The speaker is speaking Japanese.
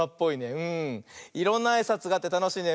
いろんなあいさつがあってたのしいね。